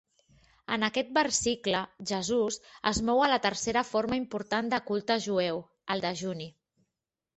En aquest versicle, Jesús es mou a la tercera forma important de culte jueu: el dejuni.